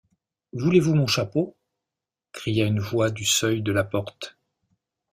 Voulez-vous mon chapeau? cria une voix du seuil de la porte.